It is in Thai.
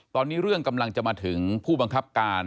ตอนนี้เรื่องกำลังจะมาถึงผู้บังคับการ